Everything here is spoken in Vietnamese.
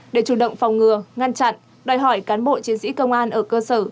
để chủ động phòng ngừa ngăn chặn đòi hỏi cán bộ chiến sĩ công an ở cơ sở